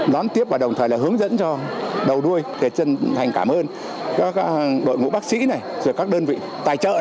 đón tiếp và đồng thời là hướng dẫn cho đầu đuôi để chân thành cảm ơn các đội ngũ bác sĩ này rồi các đơn vị tài trợ